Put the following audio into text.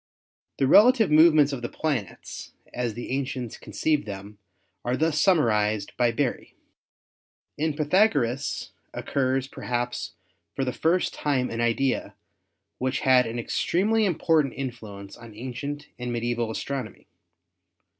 The relative movements of the planets as the ancients conceived them are thus summarized by Berry: "In Pythagoras occurs perhaps for the first time an idea which had an extremely impor tant influence on ancient and medieval astronomy.